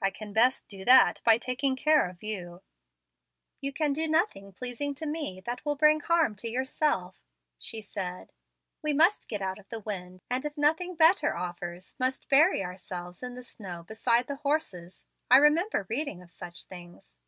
"I can best do that by taking care of you." "You can do nothing pleasing to me that will bring harm to yourself," she said. "We must get out of the wind, and if nothing better offers, must bury ourselves in the snow be side the horses. I remember reading of such things.